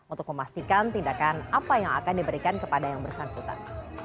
untuk memastikan tindakan apa yang akan diberikan kepada yang bersangkutan